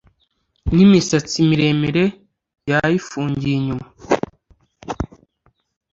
n’imisatsi miremire yayifungiye inyuma